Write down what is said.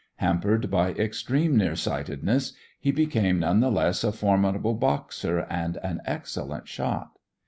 Hampered by extreme near sightedness, he became none the less a formidable boxer and an excellent shot.